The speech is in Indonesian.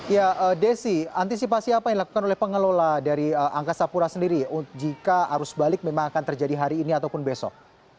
ya desi antisipasi apa yang dilakukan oleh pengelola dari angkasa pura sendiri jika arus balik memang akan terjadi hari ini ataupun besok